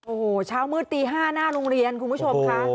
โอ้โหเช้ามืดตี๕หน้าโรงเรียนคุณผู้ชมค่ะ